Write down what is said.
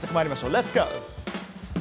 レッツゴー！